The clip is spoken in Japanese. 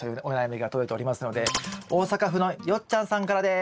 大阪府のよっちゃんさんからです。